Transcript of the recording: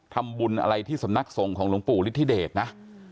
ทำบุญอะไรที่สำนักสงฆ์ของหลวงปู่ฤทธิเดชนะ